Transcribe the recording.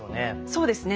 そうですね。